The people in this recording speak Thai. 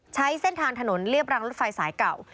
ใช้เส้นทางถนนเรียบรางรถไฟสายเก่า